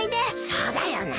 そうだよな。